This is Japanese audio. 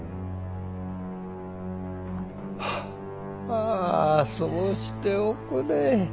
ああそうしておくれ。